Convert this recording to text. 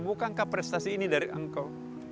bukankah prestasi ini dari engkau